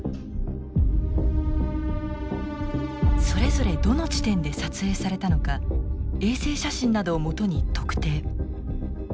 それぞれどの地点で撮影されたのか衛星写真などを基に特定。